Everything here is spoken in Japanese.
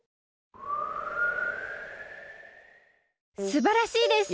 すばらしいです！